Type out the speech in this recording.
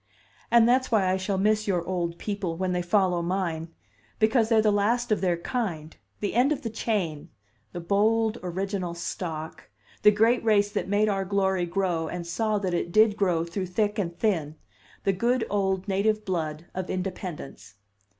And that's why I shall miss your old people when they follow mine because they're the last of their kind, the end of the chain, the bold original stock, the great race that made our glory grow and saw that it did grow through thick and thin: the good old native blood of independence."